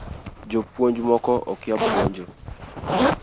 Jopuony moko okia puonjo